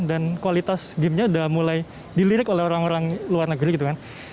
dan kualitas game nya sudah mulai dilirik oleh orang orang luar negeri gitu kan